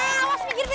lempah lelaki kepala